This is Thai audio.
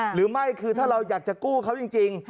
หรือไม่คือถ้าเราอยากจะกู้เขาจริง